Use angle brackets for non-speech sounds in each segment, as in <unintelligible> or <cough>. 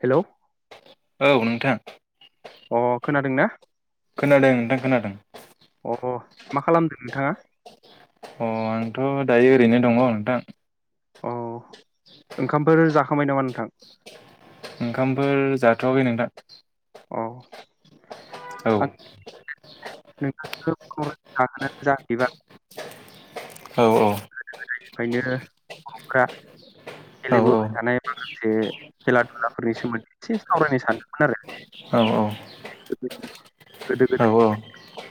Hello औ नोंथां अ खोनादों ना? खोनादों नोंथां खोनादों। अ मा खालामदों नोंथाङा? अ नोंथांआ दायो ओरैनो दङ नोंथां? अ ओंखामफोर जाखांबाय नामा नोंथां? ओंखामफोर जाथ'वाखै नोंथां। औ। औ। नोंथांनो कल हरनायनि जाहोनानो जाहैबाय औ औ निफ्रायनो बर'फोरा औ गेलेबोबाय थानाय एसे खेला दुलाफोरनि सोमोन्दै एसे सावरायनो सानदोंमोन आरो औ औ गोदो गोदाय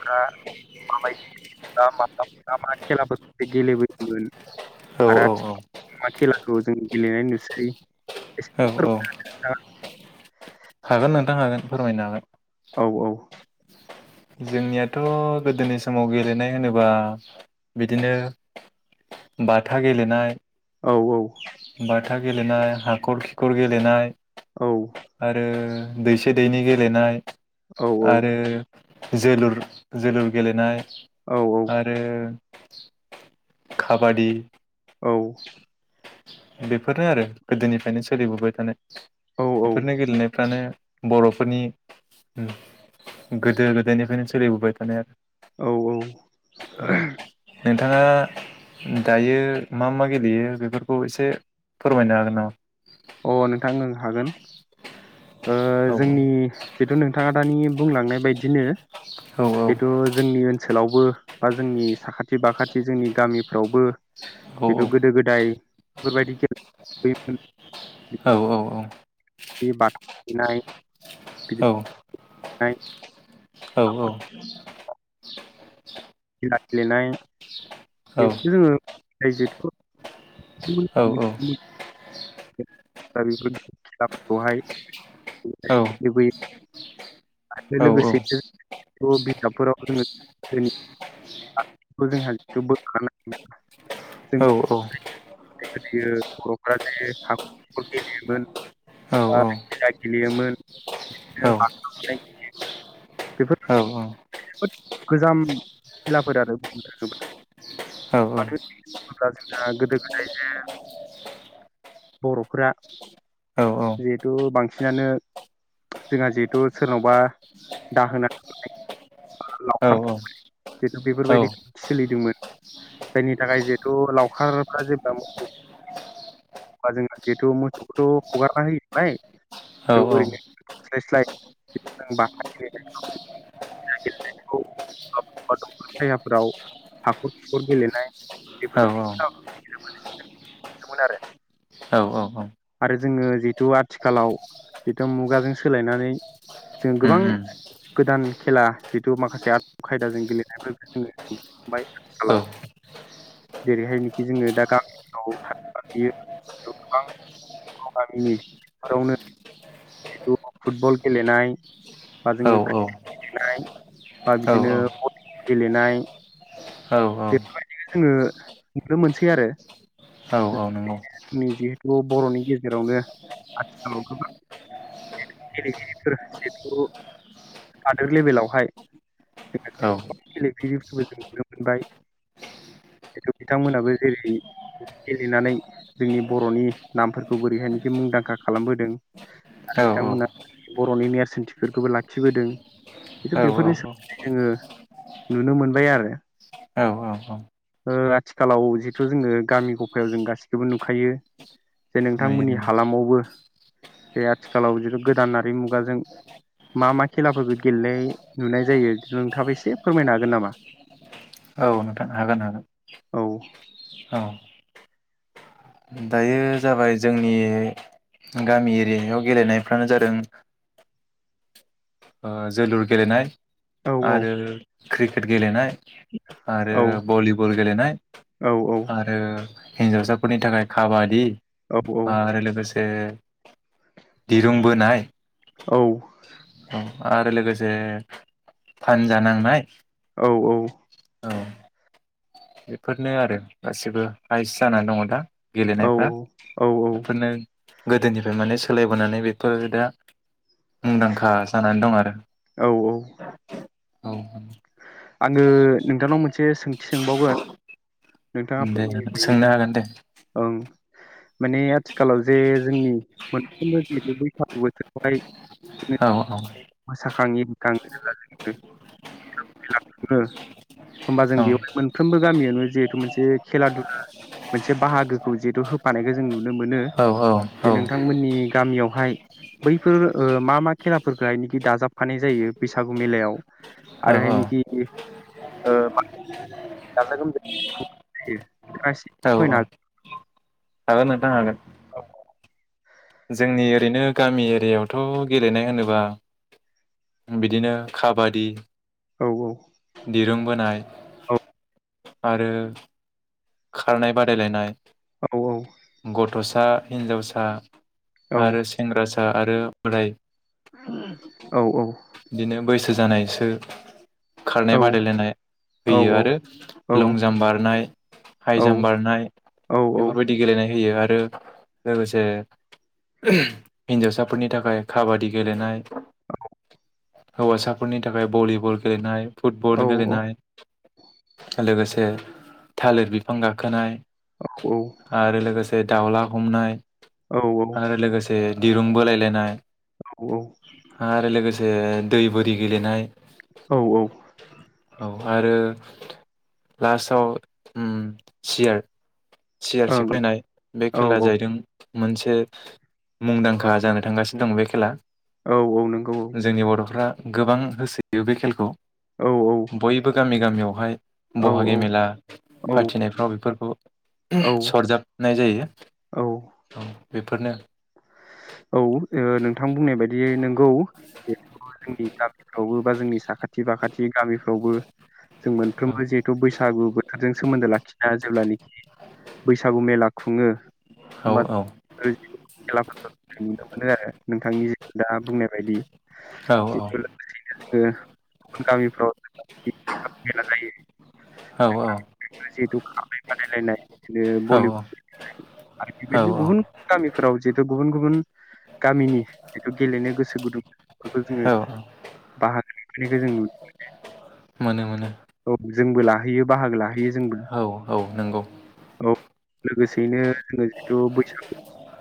फ्रा माबायदि माबा मा मा खेलाफोरखौ गेलेबोयोमोन औ आरो आथिखालावा मा खेलाखौ जों गेलेनाय नुसै एसे औ औ फोरमायना होनो हागोनना नोंथां। हागोन नोंथां हागोन फोरमायनो हागोन। औ औ। जोंनियाथ' गोदोनि समाव गेलेनाय होनोब्ला बिदिनो बाथा गेलेनाय औ औ। बाथा गेलेनाय हाखर खिखर गेलेनाय औ आरो दैसे दैनि गेलेनाय औ आरो जोलुर जोलुर गेलेनाय औ आरो खाबादि औ बेफोरनो आरो गोदोनिफ्रायनो सोलिबोबाय थानाय बेफोरनो औ गेलेनायफ्रानो बर'फोरनि उम गोदो गोदायनिफ्रायनो सोलिबोबाय थानाय आरो औ औ औ <unintelligible> बिथाङा दायो मा मा गेलेयो बेफोरखौ एसे फोरमायनो हागोन नामा? अ नोंथां ओं हागोन ओ हागोन जोंनि जिथु नोंथाङा दानि बुंलांनाय बायदिनो नामा जिथु जोंनि ओनसोल ओनसोलावबो बा जोंनि साखाथि बाखाथि जोंनि गामिफ्रावबो औ जिथ' गोदो गोदाय बेफोरबायदि <unintelligible> औ औ औ <unintelligible> औ <unintelligible> औ औ हाखर <unintelligible> औ <unintelligible> गाइजेथखौ उम औ उम उम <unintelligible> <unintelligible> औ औ गोदोयो बर'फोरा जे हाखर हाखर गेलेयोमोन बा गिला गेलेयोमोन बिदिनो बाथा बुनाय गेलेयोमोन बेफोर जोबोद गोजाम खिलाफोर आरो बुंनो थाङोब्ला मानो होननानै बुङोब्ला जोंहा गोदो गोदाय जे बर'फोरा जिहेथु बांसिनानो जोंहा जिहेथु सोरनावबा दाहोना थाहैनाय लावखार जिथु बेफोरबायदि सोलिदोंमोन जायनि थाखाय जिहेथु लावखारफ्रा जेब्ला मोसौ गुमो अब्ला जोंहा जेथु मोसौखौथ' हगारना होयोमोन नालाय ओरैनोलाय थास्लाय स्लाय बाथा गेलेयोमोन खेला गेलेनायखौ दंफां सायाफोराव हाखर खिखर गेलेनाय बेफोरबायदि <unintelligible> आरो आरो जोङो जिहेतु आथिखालाव जिथु मुगाजों सोलायनानै जोङो गोबां गोदान खेला जितु माखासे आदब खायदाजों गेलेनायफोरखौ जोङो नुबोबाय आथिखालाव जेरैहायनोखि जोङो दा गामियाव थाङोल्बा नुयो <unintelligible> गोबां गाव गामिनि फोथारावनो जिथु फुटबल गेलेनाय बा औ जोङो औ औ क्रिकेट गेलेनाय बा औ बिदिनो भलिबल गेलेनाय औ औ बेफोरबायदिनो जोङो नुनो मोनसै आरो औ <unintelligible> औ नंगौ जोंनि जिहेथु बर'नि गेजेरावनो आथिखालाव गोबां गेलेगिरिफोर जिहेथु हादोर लेभेलावहाय औ <unintelligible> गोबां गेलेगिरिफोरबो जों नुनो मोनबाय जेथु बिथांमोनाबो जेरै गेलेनानै जोंनि बर'नि नामफोरखौ बोरैहायनोखि मुंदांखा खालामबोदों औ आरो बिथांमोना बर'नि नेर्सोनथिफोरखौबो लाखिबोदों खिन्थु औ बेफोरनि सोमोन्दै जोङो नुनो मोनबाय आरो औ औ ओ आथिखालाव जिथु जोङो गामि गफायाव जों गासिखौबो नुखायो जे नुयो नोंथांमोननि नुयो हालामावबो जे आथिखालाव जिथु गोदानारि मुगाजों मा मा खेलाफोरखौ गेलेनाय नुनाय जायो नोंथाङाबो एसे फोरमायनो हागोन नामा? औ नोंथां हागोन हागोन औ औ दायो जाबाय जोंनि गामि एरियायाव गेलेनायफ्रानो जादों जोलुर गेलेनाय। औ आरो क्रिकेट गेलेनाय आरो औ भलि बल गेलेनाय औ आरो हिन्जावसाफोरनि थाखाय खाबादि औ आरो लोगोसे दिरुंबोनाय। औ। आरो लोगोसे फानजा नांनाय औ औ औ बेफोरनो आरो गासिबो हाइस जानानै दङ दा औ गेलेनायफ्रा। औ बेफोरनो गोदोनिफ्राय माने सोलायबोनानै बेफोर दा मुंदांखा जानानै दं आरो। औ औ औ आङो नोंथांनाव मोनसे सोंथि सोंबावगोन नोंथाङा दे फोरमायनो हायो। सोंनो हागोन दे ओं माने आथिखालाव जे जोंनि मोनफ्रोमबो जिथु बैसागु बोसोरावहाय औ औ खाङि <unintelligible> <unintelligible> होनबा जों औ बेयाव मोनफ्रोमबो गामियावनो जिहेथु मोनसे खेला दुला मोनसे बाहागोखौ जिहेतु होफानायखौ जों नु नुनो मोनो औ जे नोंथांमोननि गामियावहाय बैफोर मा मा खेलाफोरखौहाय दाजाबफानाय जायो बैसागु मेलायाव औ आरोहाय औ औ औ <unintelligible> हागोन नोंथां हागोन। जोंनि ओरैनो गामि एरियायावथ' गेलेनाय होनोब्ला बिदिनो काबादि औ औ दिरुं बोनाय आरो खारनाय बादायलायनाय औ औ गथ'सा हिनजावसा औ औ आरो सेंग्रा सिख आरो बोदाय औ ओं बिदिनो बैसो जानाय ओ खारनाय बादायलायनाय होयो आरो लंजाम्प बारनाय हाइ जाम्प बारनाय बेफोरबायदि गेलेनाय आरो लोगोसे हिनजावसाफोरनि थाखाय काबादि गेलेनाय हौवासाफोरनि थाखाय भलिबल गेलेनाय फुटबल गेलेनाय लोगोसे से थालिर बिफां गाखोनाय आरो लोगोसे दावला हमनाय आरो लोगोसे दिरुं बोलायलायनाय आरो लोगोसे दै बोरि गेलेनाय औ आरो लास्टआव उ सियार सियारसे फैनाय बे औ खेलाया जाहैदों मोनसे मुंदांखा जानो थांगासिनो दं बे खेला औ औ नंगौ औ फ्रा गोबां होसोयो बे खेलखौ औ बयबो गामि गामियावहाय औ बहागि मेला फाथिनायफ्राव बेफोरखौ औ सरजाबनाय जायो औ औ बेफोरनो औ ओ नोंथां बुंनाय बायदि नंगौ जिहेथु जोंनि गामि बावबो बा जोंनि साखा थि बाखाथि गामिफ्रावबो जों मोनफ्रोमबो औ जिहेथु बैसागु बोथोरजों सोमोन्दो लाखिना जेब्लानि बैसागु मेला खुङो औ बाथ ओरैथिं खेलाफोरखौ नुनो मोनो आरो नोंथांनि जे दा बुंनाय बायदि औ औ ओ गुबुन गामिफ्राव गिदिर गिदिर मेला जायो औ <inaudible> बे बादायलायनाय बिनो बलि औ <unintelligible> आरो बिदिनो औ गुबुन गामिफोराव बेथ' गुबुन गुबुन गामिनि जिथु गेलेनो गोसो गुदुं फोरखौ जोङो औ बाहागो लाफैनायखौ जों नुनो मोनो मोने मोनो जोंबो लाहैयो बाहागो लाहैयो जोंबो औ औ नंगौ औ लोगोसेयैनो जोङो जिथु बैसागु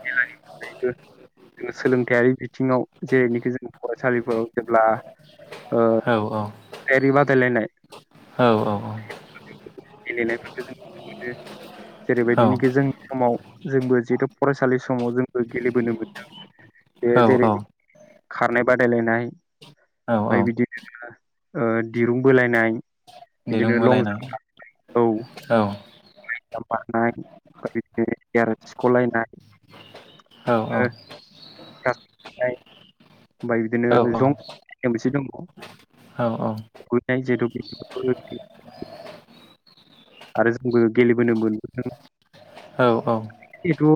मेलानि जों सोलोंथायारि बिथिङाव जेरैनोखि जों फरायसालिफोराव जेब्ला ओ औ सायरि बादायलायनाय औ औ औ गेलेनायफोरखौ जों नुनो मोनो जेरै औ बायदिनिखो जोंनि समाव जोंबो जिहेतु फरायसालि समाव जों गेलेबोनो मोनदों ए औ औ जेरै खारनाय बादायलायनाय ओमफाय औ बिदिनो जोङो ओह दिरुं बोलायनाय दिरुं बिदिनो लं बोलायनाय जाम बारनाय औ औ लं जाम बारनाय ओमफ्राय बिदिनो सियार औ सिख'लायनाय खास बुनाय ओमफ्राय बिदिनो औ जंसे औ <unintelligible> आरो जोंबो गेलेबोनो मोनबोदों औ जिथु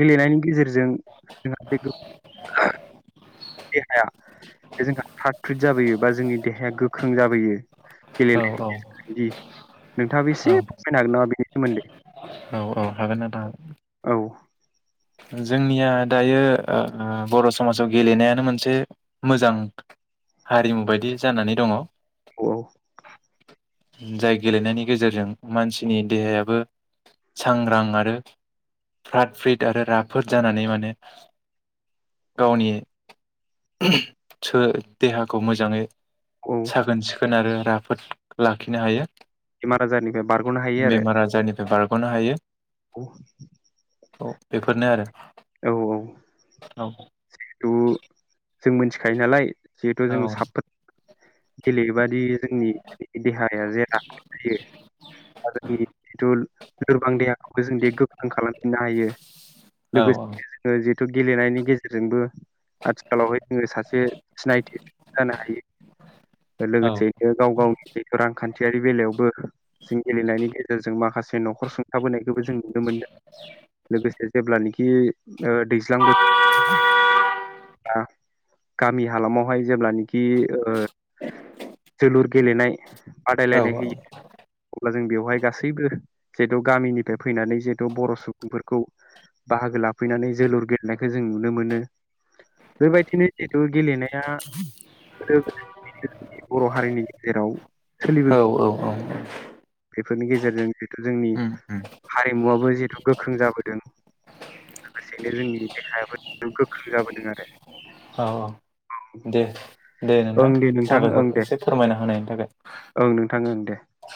गेलेनायनि गेजेरजों जोंहा बे देहाया जोंहा थ्राद थ्रिद जाबोयो बा जोंनि देहाया गोख्रों जाबोयो औ गेलेनायनि औ गेजेरजों जुदि नोंथाङाबो एसे औ फोरमायनो हागोन नामा बेनि सोमोन्दै हागोन नोंथां औ जोंनिया दायो ओह बर' समाजाव गेलेनायानो मोनसे मोजां हारिमु बायदि जानानै दङ औ जाय गेलेनायनि गेजेरजों मानसिनि देहायाबो सांग्रां आरो फ्रात फ्रित आरो राफोद जानानै माने गावनि ओह देहाखौ मोजाङै औ साखोन सिखोन आरो राफोद ला खिनो हायो मारा जारनिफ्राय बार बेमार आजारनिफ्राय बार गनो हायो <inaudible> औ बेफोरनो आरो औ दु जों मिथिखायो नालाय जिहेथु औ जों साफोद गेलेयोबादि जोंनि देहाया जे राफोद थायो जोंनि जिथु लोरबां देहाखौबो जोंदि गोख्रों खालामफिननो हायो लोगोसे जोङो जि गेलेनायनि गेजेरजोंबो आथिखाल आथिखालावहाय जोङो सासे सिनायथि जानो हायो औ लोगोसे नो गाव गाव जिथु रांखान्थियारि बेलायावबो जों गेलेनायनि गेजेरजों माखासे न'खर सुंथाबोनायखौबो जों नुनो मोनदों लोगोसे जेब्लानखि ओह दैज्लां बोथोर बा गामि हालामावहाय जेब्लानिखि ओह जोलुर गेलेनाय औ बादायलायनाय होयो अब्ला जों बेवहाय गासैबो जिहेथु गामिनिफ्राय फैनानै जिहेथु बर' सुबुंफोरखौ बाहागो लाफैनानै जोलुर गेलेनायखौ जों नुनो मोनो बेबायदिनो जिहेतु गेलेनाया बर' हारिनि गेजेराव सोलिबो औ औ बेफोरनि गेजेरजों जिहेथु जोंनि हारिमुवाबबो जिहेतु गोख्रों जाबोदों लोगोसेयैनो जोंनि देहायाबो गोख्रों जाबोदों आरो औ दे दे नोंथां ओं दे नोंथां ओं साबायखर दे एसे फोरमायना होनायनि ओं नोंथां ओं दे थाखाय